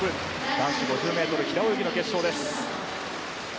男子５０ｍ平泳ぎの決勝です。